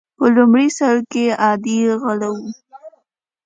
په لومړي سر کې عادي غله وي.